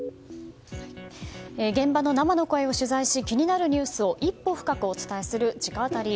現場の生の声を取材し気になるニュースを一歩深くお伝えする直アタリ。